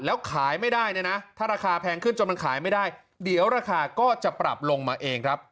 แล้วขายไม่ได้เนี่ยนะถ้าราคาแพงขึ้นจนมันขายไม่ได้เดี๋ยวราคาก็จะปรับลงมาเองครับ